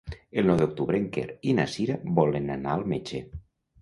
El nou d'octubre en Quer i na Cira volen anar al metge.